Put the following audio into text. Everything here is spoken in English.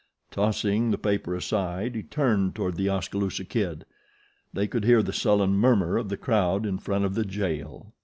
Tossing the paper aside he turned toward The Oskaloosa Kid. They could hear the sullen murmur of the crowd in front of the jail.